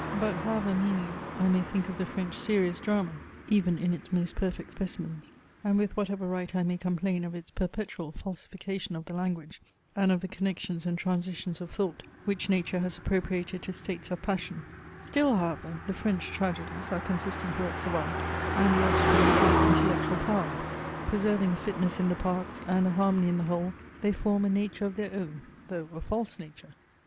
But however meanly I may think of the French serious drama, even in its most perfect specimens; and with whatever right I may complain of its perpetual falsification of the language, and of the connections and transitions of thought, which Nature has appropriated to states of passion; still, however, the French tragedies are consistent works of art, and the offspring of great intellectual power. Preserving a fitness in the parts, and a harmony in the whole, they form a nature of their own, though a false nature.